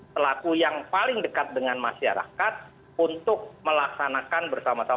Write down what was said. pelaku yang paling dekat dengan masyarakat untuk melaksanakan bersama sama